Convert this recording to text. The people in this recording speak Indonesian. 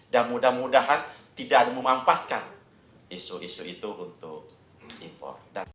dan mudah mudahan tidak ada memanfaatkan isu isu itu untuk impor